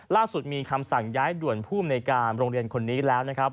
ล่าสุดมีคำสั่งย้ายด่วนภูมิในการโรงเรียนคนนี้แล้วนะครับ